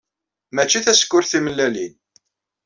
Mačči tasekkurt timellalin.